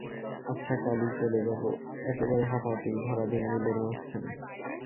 আচ্ছা, কালই চলে যাব, একেবারে হঠাৎ, এই ভরা দিনগুলোর মাঝখানে।